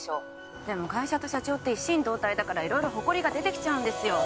でも会社と社長って一心同体だから色々ホコリが出てきちゃうんですよ